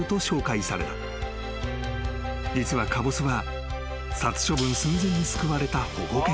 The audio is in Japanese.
［実はかぼすは殺処分寸前に救われた］